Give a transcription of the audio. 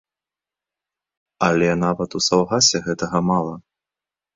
Але нават у саўгасе гэтага мала.